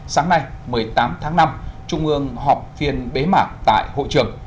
sáng nay một mươi tám tháng năm trung ương họp phiên bế mạc tại hội trường